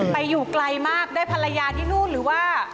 ไปอยู่ไกลมากได้ภรรยาที่นู่นหรือว่า